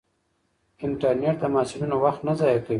انټرنیټ د محصلینو وخت نه ضایع کوي.